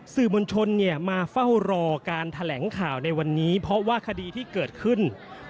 สื่อมวลชนมาเฝ้ารอการแถลงข่าวในวันนี้เพราะว่าคดีที่เกิดขึ้น